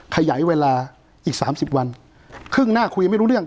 ขยายเวลาอีกสามสิบวันครึ่งหน้าคุยไม่รู้เรื่อง